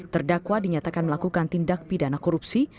terdakwa dinyatakan melakukan tindak pidana korupsi